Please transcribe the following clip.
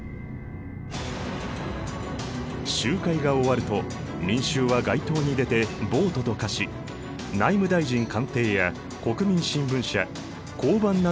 集会が終わると民衆は街頭に出て暴徒と化し内務大臣官邸や国民新聞社交番などを襲撃。